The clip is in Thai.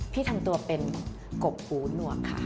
ทำตัวเป็นกบหูหนวกค่ะ